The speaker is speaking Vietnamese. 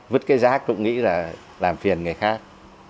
vứt cái rác cũng nghĩ là làm phiền người khác